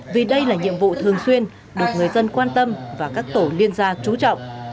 vì đây là nhiệm vụ thường xuyên được người dân quan tâm và các tổ liên gia trú trọng